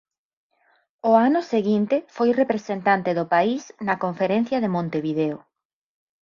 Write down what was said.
O ano seguinte foi representante do país na Conferencia de Montevideo.